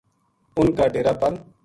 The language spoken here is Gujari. اُنھ کا ڈیرا پَل